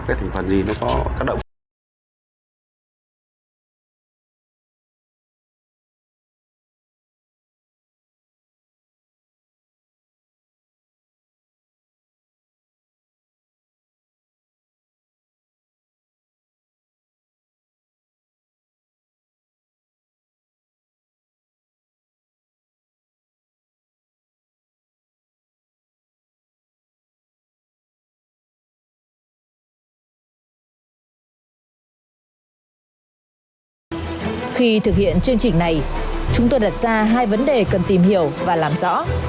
khi thực hiện chương trình này chúng tôi đặt ra hai vấn đề cần tìm hiểu và làm rõ